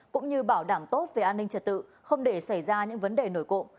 cũng như bảo đảm tốt về an ninh trật tự không để xảy ra những vấn đề nổi cộng